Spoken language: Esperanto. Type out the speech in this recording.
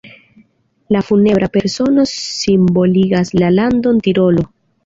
La funebra persono simboligas la landon Tirolo.